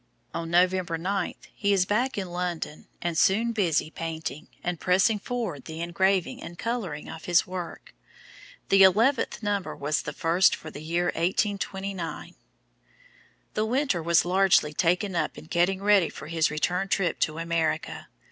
On November 9, he is back in London, and soon busy painting, and pressing forward the engraving and colouring of his work. The eleventh number was the first for the year 1829. The winter was largely taken up in getting ready for his return trip to America.